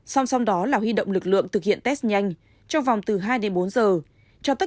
song song đó là huy động lực lượng thực hiện test nhanh trong vòng từ hai đến bốn giờ tất